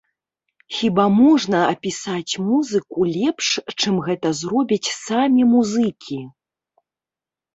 Хіба можна апісаць музыку лепш, чым гэта зробяць самі музыкі?